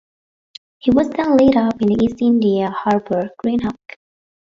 She was then laid up in the East India Harbour, Greenock.